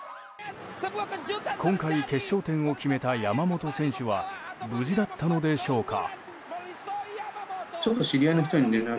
今回、決勝点を決めた山本選手は無事だったのでしょうか。